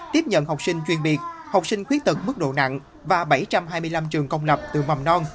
tiếp nhận học sinh chuyên biệt học sinh khuyết tật mức độ nặng và bảy trăm hai mươi năm trường công lập từ mầm non